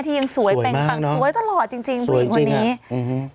ที่ยังสวยเป็นกันสวยตลอดจริงบริหรณ์คนนี้อืมสวยมาก